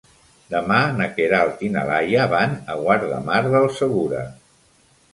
Demà na Queralt i na Laia van a Guardamar del Segura.